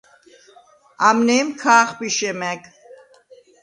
ამნე̄მ ქა̄ხბიშე მა̈გ.